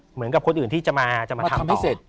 เหมือนกับคนอื่นที่จะมาทำต่อ